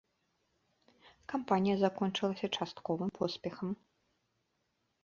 Кампанія закончылася частковым поспехам.